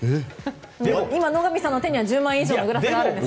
今、野上さんの手には１０万円以上のグラスがあるんですよ。